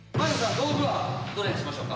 道具はどれにしましょうか。